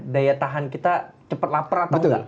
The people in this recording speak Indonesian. daya tahan kita cepat lapar atau enggak